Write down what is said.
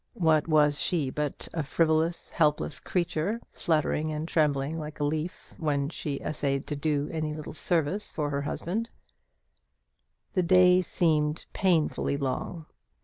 What was she but a frivolous, helpless creature, fluttering and trembling like a leaf when she essayed to do any little service for the invalid? The day seemed painfully long.